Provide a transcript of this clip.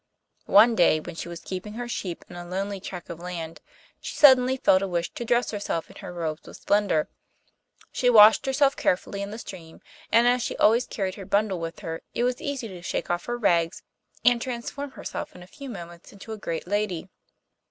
One day when she was keeping her sheep in a lonely tract of land, she suddenly felt a wish to dress herself in her robes of splendour. She washed herself carefully in the stream, and as she always carried her bundle with her, it was easy to shake off her rags, and transform herself in a few moments into a great lady.